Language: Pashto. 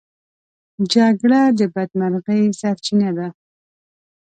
جګړه د بدمرغۍ سرچينه ده.